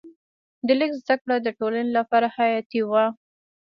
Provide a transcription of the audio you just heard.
د لیک زده کړه د ټولنې لپاره حیاتي وه.